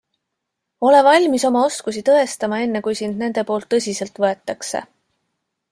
Ole valmis oma oskusi tõestama enne kui sind nende poolt tõsiselt võetakse.